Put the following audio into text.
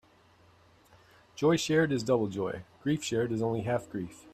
Joy shared is double joy; grief shared is only half grief.